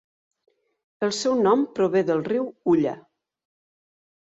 El seu nom prové del riu Ulla.